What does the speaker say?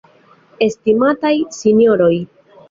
Estimataj sinjoroj!